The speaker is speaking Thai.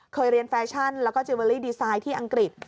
เคยเรียนแฟชั่นแล้วก็ดีไซน์ที่อังกฤษ